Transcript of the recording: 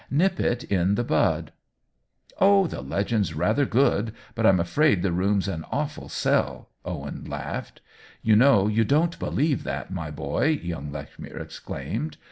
Nip it in the bud." 14 ilO OWEN WINGRAVE " Oh, the legend's rather good, but I'm afraid the room's an awful sell!" Owen laughed. "You know you don't believe that, my boy 1" young Lechmere exclaimed.